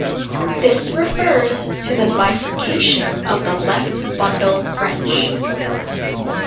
This refers to the bifurcation of the left bundle branch.